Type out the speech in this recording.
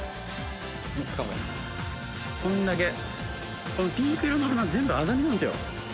こんだけこのピンク色の花全部アザミなんすよ